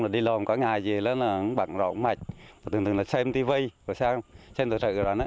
đi lòm có ngày về là bận rộn mạch thường thường là xem tivi xem tựa sợi cửa đoạn